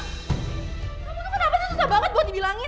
kamu kenapa sih susah banget buat dibilangin